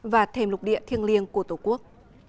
và thềm lục địa thiêng liêng của tổ quốc